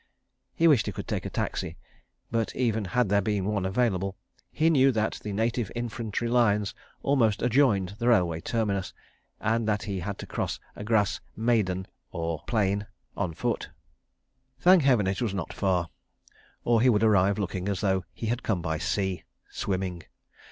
He wished he could take a taxi, but even had there been one available, he knew that the Native Infantry Lines almost adjoined the railway terminus, and that he had to cross a grass maidan {17a} on foot. Thank heaven it was not far, or he would arrive looking as though he had come by sea—swimming.